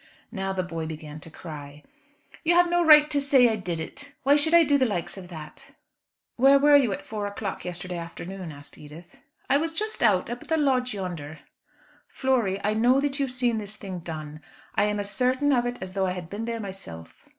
Now the boy began to cry. "You have no right to say I did it. Why should I do the likes of that?" "Where were you at four o'clock yesterday afternoon?" asked Edith. "I was just out, up at the lodge yonder." "Flory, I know that you have seen this thing done. I am as certain of it as though I had been there myself."